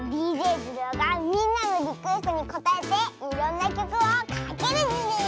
ＤＪズルオがみんなのリクエストにこたえていろんなきょくをかけるズル。